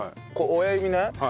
親指ね。